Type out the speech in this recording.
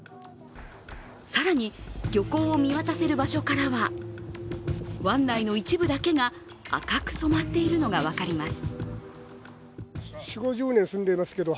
更に、漁港を見渡せる場所からは湾内の一部だけが赤く染まっているのが分かります。